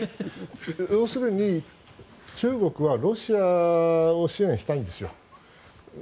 要するに、中国はロシアを支援したいんですよ。